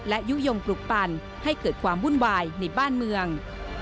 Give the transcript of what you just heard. และยุโยงปลุกปั่นให้เกิดความวุ่นวายในบ้านเมือง